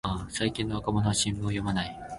最近の若者は新聞を読まない